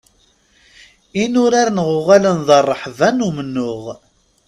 Inurar-nneɣ uɣalen d rreḥba n umennuɣ.